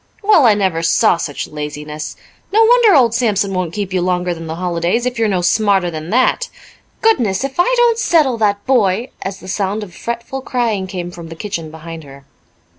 "Well, I never saw such laziness! No wonder old Sampson won't keep you longer than the holidays if you're no smarter than that. Goodness, if I don't settle that boy!" as the sound of fretful crying came from the kitchen behind her.